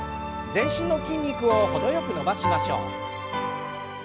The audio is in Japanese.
全身の筋肉を程よく伸ばしましょう。